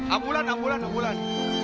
ambulan ambulan ambulan